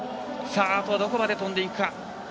あとはどこまで跳んでいくか。